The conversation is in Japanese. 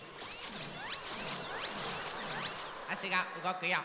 あしがうごくよ。